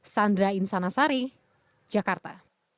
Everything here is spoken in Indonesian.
sandra insanasari jakarta